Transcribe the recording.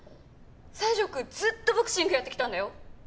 西条くんずっとボクシングやってきたんだよ。